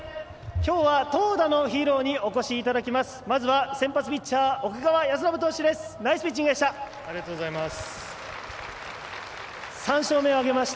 きょうは投打のヒーローにお越しいただきました。